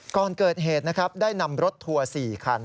ก่อนเกิดเหตุนะครับได้นำรถทัวร์๔คัน